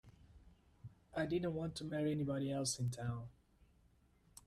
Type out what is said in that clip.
I didn't want to marry anybody else in town.